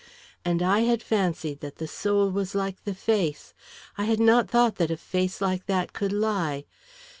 And I had fancied that the soul was like the face! I had not thought that a face like that could lie!